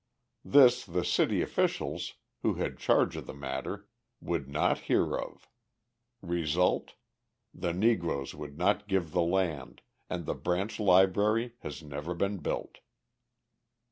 This the city officials, who had charge of the matter, would not hear of; result, the Negroes would not give the land, and the branch library has never been built.